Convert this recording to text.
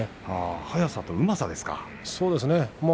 速さとうまさですね。